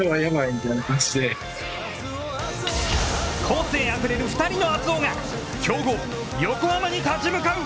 個性あふれる２人の熱男が強豪・横浜に立ち向かう！